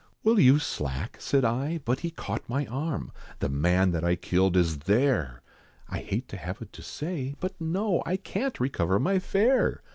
"Will you slack?" said I, but he caught my arm "The man that I killed is there! I hate to have it to say. But no, I can't recover my fare!